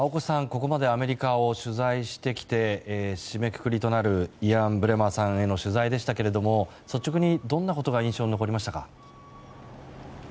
ここまでアメリカを取材してきて締めくくりとなるイアン・ブレマーさんへの取材でしたが率直にどんなことが印象に残りましたか？